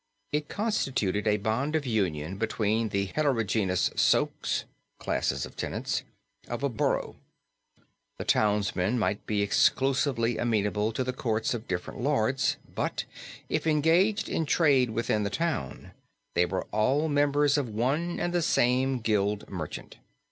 It constituted a bond of union between the heterogeneous sokes (classes of tenants) of a borough; the townsmen might be exclusively amenable to the courts of different lords, but, if engaged in trade within the town, they were all members of one and the same Gild Merchant.